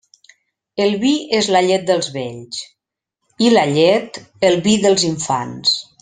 El vi és la llet dels vells, i la llet, el vi dels infants.